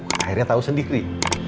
akhirnya tau sendiri